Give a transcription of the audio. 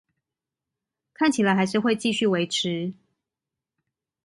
看起來還是會繼續維持